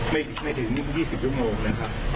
ไม่ถึง๒๐ชั่วโมงนะครับ